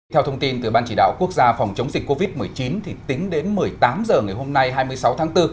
theo thông tin từ ban chỉ đạo quốc gia phòng chống dịch covid một mươi chín tính đến một mươi tám h ngày hôm nay hai mươi sáu tháng bốn